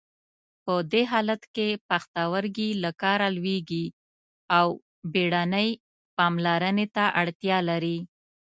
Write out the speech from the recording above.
په دې حالت کې پښتورګي له کاره لویږي او بیړنۍ پاملرنې ته اړتیا لري.